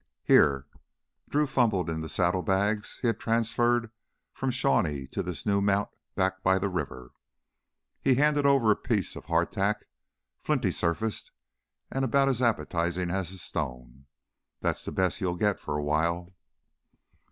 "Here." Drew fumbled in the saddlebags he had transferred from Shawnee to this new mount back by the river. He handed over a piece of hardtack, flinty surfaced and about as appetizing as a stone. "That's the best you'll get for a while."